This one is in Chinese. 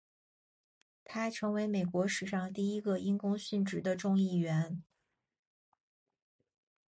他成为美国史上第一个因公殉职的众议员。